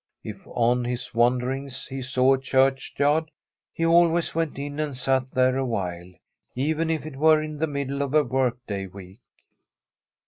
If on his wanderings he saw a diurchj^ird, he always went in and sat there awhile, even if it were in Uie middle of a workaday week.